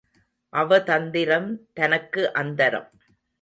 அவதந்திரம் தனக்கு அந்தரம்.